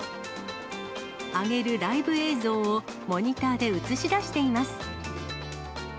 揚げるライブ映像をモニターで映し出しています。